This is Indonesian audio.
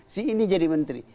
si ini jadi menteri